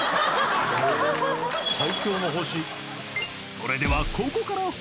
［それではここから本題］